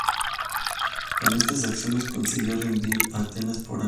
Con estas acciones consiguió rendir a Atenas por hambre.